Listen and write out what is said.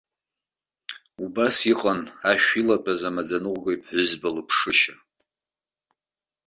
Убас иҟан ашә илатәаз амаӡаныҟәгаҩ ԥҳәызба лыԥшышьа.